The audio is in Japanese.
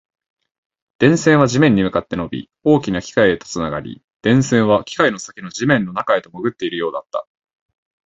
電線は地面に向かって伸び、大きな機械とつながり、電線は機械の先の地面の中へと潜っているようだった